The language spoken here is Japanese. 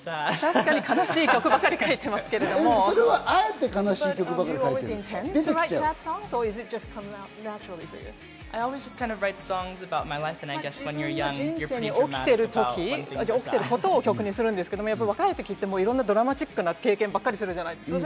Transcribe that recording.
確かに悲しい曲ばかり書いてあえて悲しい曲ばかり書いて自分の人生に起きている時、起きていることを曲にするんですけど、若い時っていろんなドラマチックな経験ばっかりするじゃないですか。